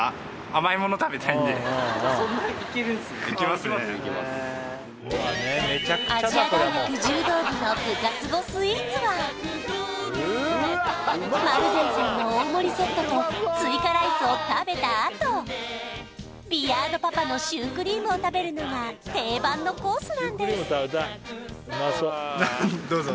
亜細亜大学丸善さんの大盛りセットと追加ライスを食べた後ビアードパパのシュークリームを食べるのが定番のコースなんですどうぞ・